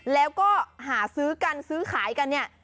แล้วก็หาซื้อกันซื้อขายกันเนี่ย